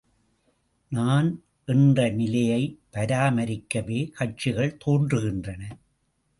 நான் என்ற நிலையை பராமரிக்கவே கட்சிகள் தோன்றுகின்றன.